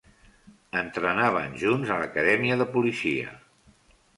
Entrenaven junts a l'acadèmia de policia.